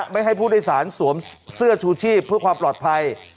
ไม่ให้ผู้โดยสารสวมเสื้อชูชีพเพื่อความปลอดภัย